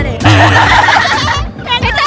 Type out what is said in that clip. กรุงเทพค่ะ